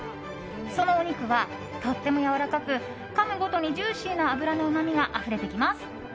そのお肉はとってもやわらかくかむごとにジューシーな油のうまみがあふれてきます。